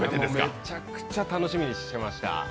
めちゃくちゃ楽しみにしてました。